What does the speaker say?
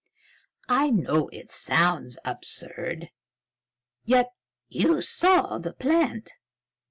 I know it sounds absurd. Yet you saw the plant."